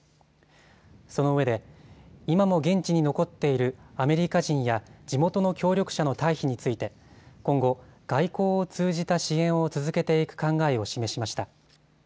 そのうえで今も現地に残っているアメリカ人や地元の協力者の退避について今後、外交を通じた支援を続けていく考えを示しました。